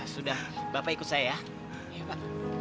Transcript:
sudah bapak ikut saya ya pak